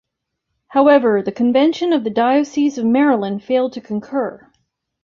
However, the convention of the Diocese of Maryland failed to concur.